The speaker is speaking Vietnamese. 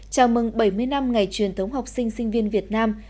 chào mừng bảy mươi năm ngày truyền thống học sinh sinh viên việt nam